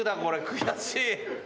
悔しい。